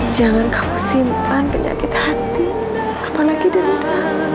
jangan kamu simpan penyakit hati apalagi derita